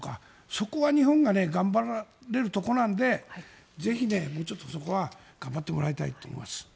そこは日本が頑張れるところなのでぜひ、もうちょっとそこは頑張ってもらいたいと思います。